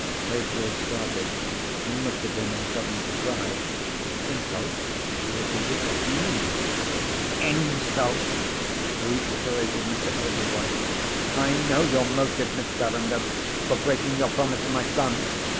Rachel started, and looked at him in sudden surprise. "Insult?" she repeated. "What do you mean?" "Insult!" reiterated Mr. Ablewhite. "I know your motive, Miss Verinder, for breaking your promise to my son!